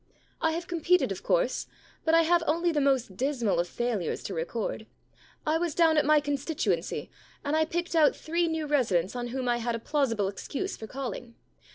* I have competed, of course. But I have only the most dismal of failures to record. I was down at my constituency, and I picked out three new residents on whom I had a plausible excuse for calling.